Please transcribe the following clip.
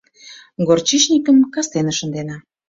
Горчичникым кастене шындена.